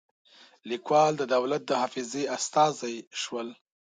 لیکوال د دولت د حافظې استازي شول.